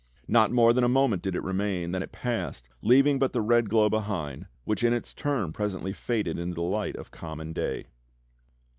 Not more than a moment did it remain, then it passed, leaving but the red glow be hind, which in its turn presently faded into the light of common day.